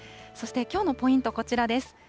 そしてきょうのポイント、こちらです。